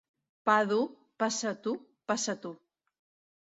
Pa dur, passa tu, passa tu.